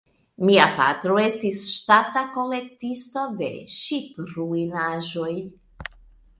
Mia patro estis ŝtata kolektisto de ŝipruinaĵoj.